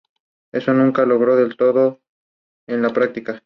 Estas peras son aromáticas y de sabor ácido y pulpa granulosa.